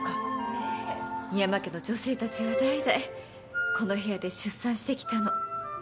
ええ深山家の女性たちは代々この部屋で出産してきたの。